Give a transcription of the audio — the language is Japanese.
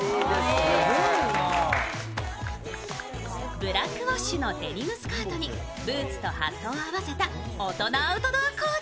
ブラックウォッシュのデニムスカートにブーツとハットを合わせた大人アウトドアコーデ。